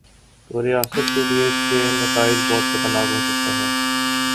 توریاست کے لیے اس کے نتائج بہت خطرناک ہو سکتے ہیں۔